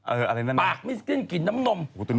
อะไรนั่นปากไม่สิ้นกลิ่นน้ำนม